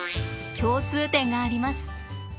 共通点があります。